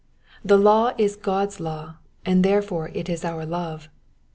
The law is God's law, and therefore it is our love.